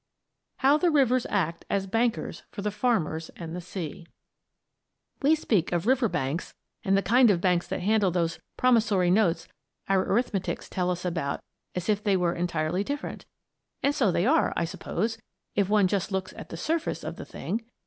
] III. HOW THE RIVERS ACT AS BANKERS FOR THE FARMERS AND THE SEA We speak of river banks and the kind of banks that handle those promissory notes our arithmetics tell about as if they were entirely different; and so they are, I suppose, if one just looks at the surface of the thing.